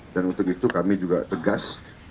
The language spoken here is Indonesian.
untuk itu kami juga tegas